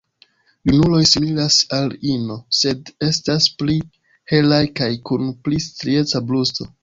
Junuloj similas al ino, sed estas pli helaj kaj kun pli strieca brusto.